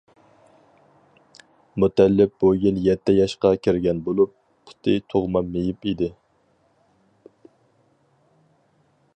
مۇتەللىپ بۇ يىل يەتتە ياشقا كىرگەن بولۇپ، پۇتى تۇغما مېيىپ ئىدى.